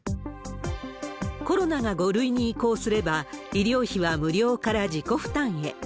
コロナが５類に移行すれば、医療費は無料から自己負担へ。